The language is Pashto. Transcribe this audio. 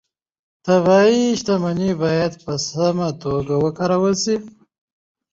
طبیعي شتمنۍ باید په سمه توګه وکارول شي